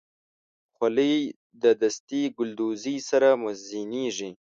خولۍ د دستي ګلدوزۍ سره مزینېږي.